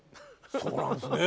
そうなんですね。